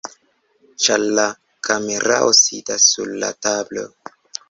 ĉar la kamerao sidas sur la tablo